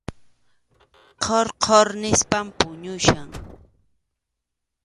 Qhur qhur nispam puñuchkan.